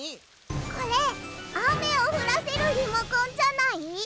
これあめをふらせるリモコンじゃない？